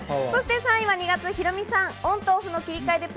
３位は２月、ヒロミさん。